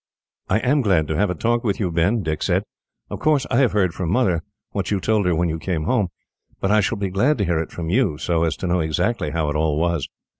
"I am glad to have a talk with you, Ben," Dick said. "Of course, I have heard, from Mother, what you told her when you came home; but I shall be glad to hear it from you, so as to know exactly how it all was.